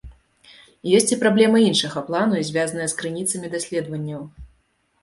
Ёсць і праблема іншага плану, звязаная з крыніцамі даследаванняў.